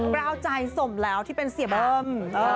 กล้าวใจสมแล้วที่เป็นเสียเบิ้ม